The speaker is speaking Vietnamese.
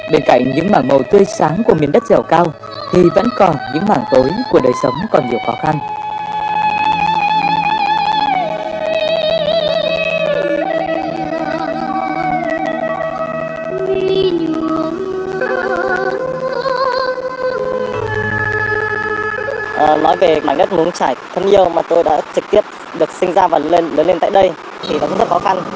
bên cạnh những mảng màu tươi sáng của miền đất dẻo cao thì vẫn còn những mảng tối của đời sống còn nhiều khó khăn